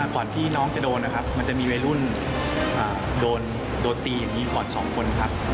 ก่อนที่น้องจะโดนนะครับมันจะมีวัยรุ่นโดนตีอย่างนี้ก่อน๒คนครับ